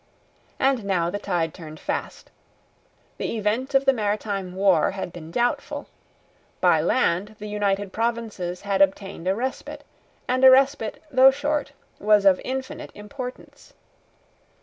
And now the tide turned fast. The event of the maritime war had been doubtful; by land the United Provinces had obtained a respite; and a respite, though short, was of infinite importance.